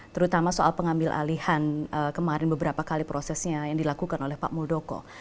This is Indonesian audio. terutama soal pengambil alihan kemarin beberapa kali prosesnya yang dilakukan oleh pak muldoko